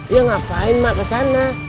ya ngapain mak kesana